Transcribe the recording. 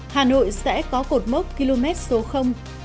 hà nội sẽ có cột mốc km số